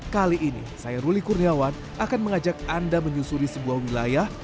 kali ini saya ruli kurniawan akan mengajak anda menyusuri sebuah wilayah